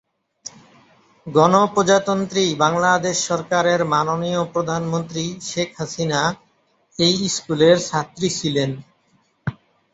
গণপ্রজাতন্ত্রী বাংলাদেশ সরকারের মাননীয় প্রধানমন্ত্রী শেখ হাসিনা এই স্কুলের ছাত্রী ছিলেন।